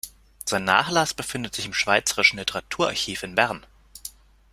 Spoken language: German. Sein Nachlass befindet sich im Schweizerischen Literaturarchiv in Bern.